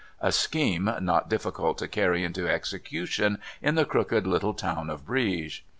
_ A scheme not difficult to carry into execution in the crooked little town of Brieg.